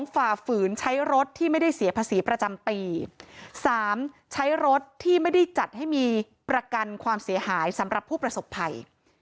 ฝ่าฝืนใช้รถที่ไม่ได้เสียภาษีประจำปี๓ใช้รถที่ไม่ได้จัดให้มีประกันความเสียหายสำหรับผู้ประสบภัย